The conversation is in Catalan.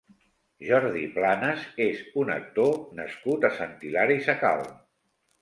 Jordi Planas és un actor nascut a Sant Hilari Sacalm.